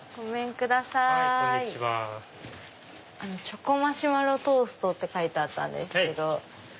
チョコマシュマロトーストって書いてあったんですけど。